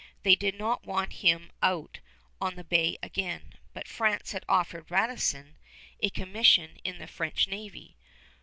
They did not want him out on the bay again; but France had offered Radisson a commission in the French navy.